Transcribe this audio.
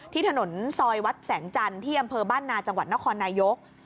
ที่ถนนซอยวัตรแสนจันทร์ที่ด้านนาที่จังหวัดนครนายก